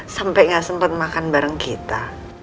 sampai gak sempat makan bareng kita